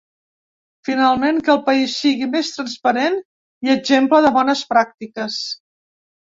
Finalment, que el país sigui més transparent i exemple de bones pràctiques.